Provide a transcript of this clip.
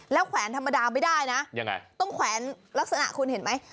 แล้วแขวนธรรมดาไม่ได้นะยังไงต้องแขวนลักษณะคุณเห็นไหม